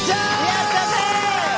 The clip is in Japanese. やったぜ！